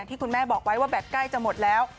ที่คุณแม่บอกไว้ว่าแบบใกล้จะหมดแล้ว